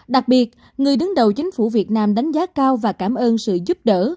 đặc biệt người đứng đầu chính phủ việt nam đánh giá cao và cảm ơn sự giúp đỡ